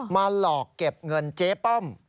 หลอกเก็บเงินเจ๊ป้อม